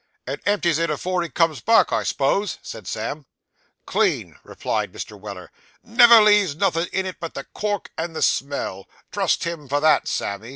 'And empties it afore he comes back, I s'pose?' said Sam. 'Clean!' replied Mr. Weller; 'never leaves nothin' in it but the cork and the smell; trust him for that, Sammy.